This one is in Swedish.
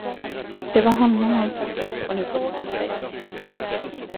Det var honom hon sökt upp och nu fått med sig.